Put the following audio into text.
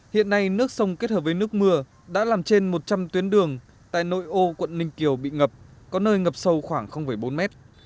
hiện nay nước sông kết hợp với nước mưa đã làm trên một trăm linh tuyến đường tại nội ô quận ninh kiều bị ngập có nơi ngập sâu khoảng bốn mét